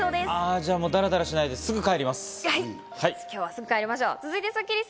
じゃあだらだらしないで、すぐ帰ります。